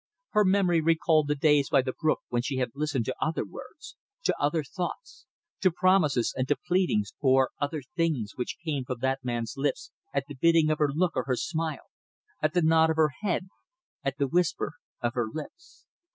Her memory recalled the days by the brook when she had listened to other words to other thoughts to promises and to pleadings for other things, which came from that man's lips at the bidding of her look or her smile, at the nod of her head, at the whisper of her lips.